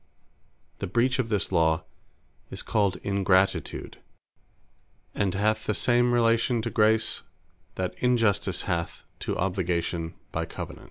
The breach of this Law, is called Ingratitude; and hath the same relation to Grace, that Injustice hath to Obligation by Covenant.